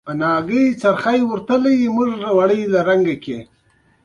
د هوټل په لومړي پوړ کې مو سباناری وکړ.